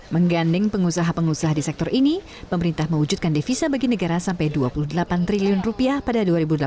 mengganding pengusaha pengusaha di sektor ini pemerintah mewujudkan devisa bagi negara sampai dua puluh delapan triliun rupiah pada dua ribu delapan belas